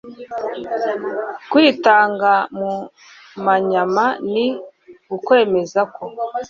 kwitanga mu manyama ni ukwemeza ko